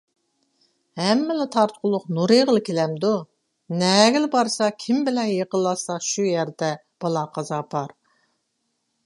ھەممە تارتقۇلۇق نۇرىغىلا كېلەمدۇ، نەگىلا بارسا، كىم بىلەن يېقىنلاشسا شۇ يەردە بالا-قازا بار،